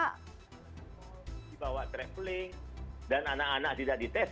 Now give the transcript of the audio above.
karena dibawa traveling dan anak anak tidak dites